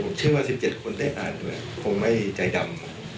ผมเชื่อว่า๑๗คนได้อ่านด้วยคงไม่ใจดำ